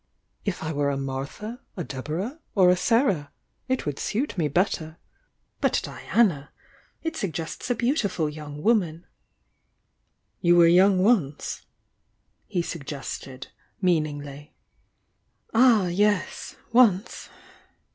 "If I were a Martha, a Deborah or a Sarah, it would suit me much better. But Diana! It suggests a beautiful young wom "You were young once!" he suggested, meaningly. "Ah, yes, once!"